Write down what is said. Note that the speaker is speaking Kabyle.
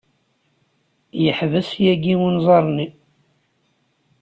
Yeḥbes yagi unẓar-nni.